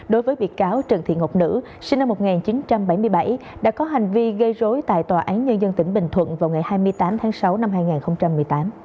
đối với bị cáo trần thị ngọc nữ sinh năm một nghìn chín trăm bảy mươi bảy đã có hành vi gây rối tại tòa án nhân dân tỉnh bình thuận vào ngày hai mươi tám tháng sáu năm hai nghìn một mươi tám